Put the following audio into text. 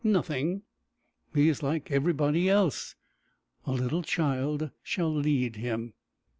Nothing; he is like everybody else; "a little child shall lead him."